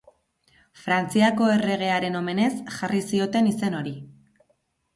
Frantziako erregearen omenez jarri zioten izen hori.